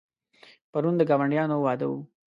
پرون د ګاونډیانو واده و.